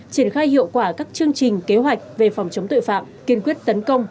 triển khai hiệu quả các chương trình kế hoạch về phòng chống tội phạm kiên quyết tấn công